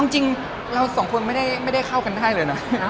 จริงเราสองคนไม่ได้เข้ากันได้เลยนะ